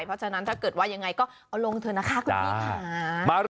เพราะฉะนั้นถ้าเกิดว่ายังไงก็เอาลงเถอะนะคะคุณพี่ค่ะ